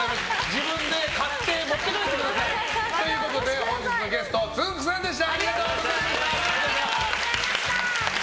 自分で買って持って帰ってください。ということで本日のゲストつんく♂さんでした。